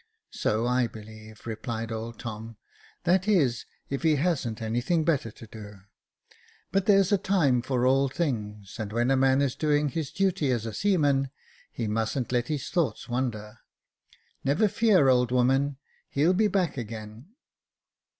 " So I believe," replied old Tom —" that is, if he hasn't anything better to do. But there's a time for all things ; and when a man is doing his duty as a seaman, he mustn't let his thoughts wander. Never fear, old woman j he'll be back again.